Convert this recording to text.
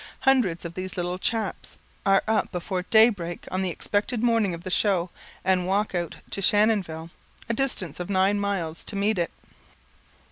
Hundreds of these little chaps are up before day break on the expected morning of the show, and walk out to Shannonville, a distance of nine miles, to meet it.